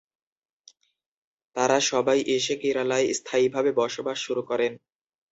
তারা সবাই এসে কেরালায় স্থায়ীভাবে বসবাস শুরু করেন।